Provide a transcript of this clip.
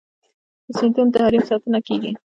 د سیندونو د حریم ساتنه کیږي؟